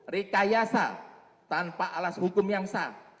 rekayasa tanpa alas hukum yang sah